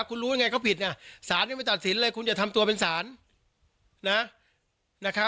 คุณรู้ยังไงเขาผิดอะศาลนี้ไม่ตัดสินเลยคุณอย่าทำตัวเป็นศาลนะครับ